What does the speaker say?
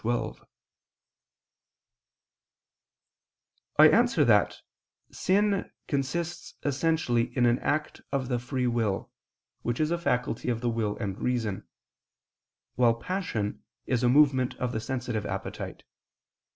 I answer that, Sin consists essentially in an act of the free will, which is a faculty of the will and reason; while passion is a movement of the sensitive appetite.